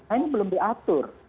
nah ini belum diatur